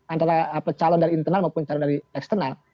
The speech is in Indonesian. ada pecalon dari internal maupun pecalon dari eksternal